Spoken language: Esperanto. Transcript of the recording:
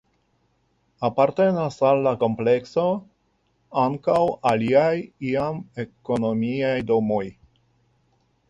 Apartenas al la komplekso ankaŭ aliaj iam ekonomiaj domoj.